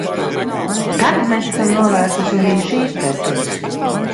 Tātad mēs esam novērsuši arī šīs pretrunas.